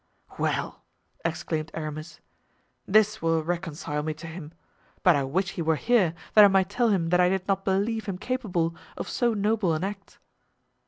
"Well!" exclaimed Aramis, "this will reconcile me to him; but I wish he were here that I might tell him that I did not believe him capable of so noble an act."